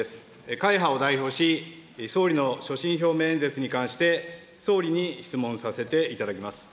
会派を代表し、総理の所信表明演説に関して、総理に質問させていただきます。